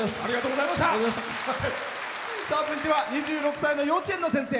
続いては２６歳の幼稚園の先生。